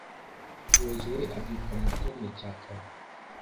yozuwe abyuka mu gitondo cya kare